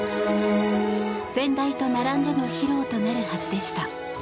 先代と並んでの披露となるはずでした。